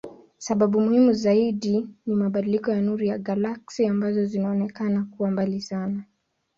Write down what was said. Sababu muhimu zaidi ni mabadiliko ya nuru ya galaksi ambazo zinaonekana kuwa mbali sana.